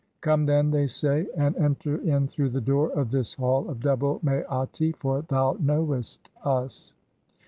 'Come, then,' [they say,] 'and "enter in through the door of this Hall of double Maati, for thou "knowest us'.